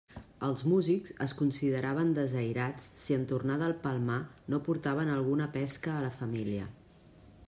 Els músics es consideraven desairats si en tornar del Palmar no portaven alguna pesca a la família.